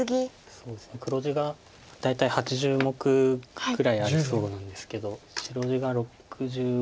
そうですね黒地が大体８０目くらいありそうなんですけど白地が６５とか。